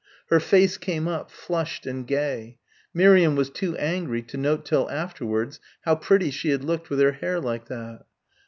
Her face came up, flushed and gay. Miriam was too angry to note till afterwards how pretty she had looked with her hair like that.